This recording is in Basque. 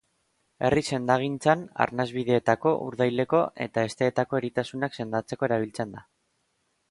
Herri sendagintzan arnas-bideetako, urdaileko eta hesteetako eritasunak sendatzeko erabiltzen da.